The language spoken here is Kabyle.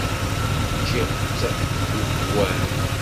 Ččiɣ-tt deg ufwad.